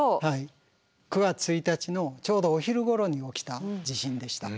９月１日のちょうどお昼ごろに起きた地震でした。